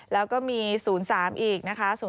แล้วก็มี๐๓อีกนะคะ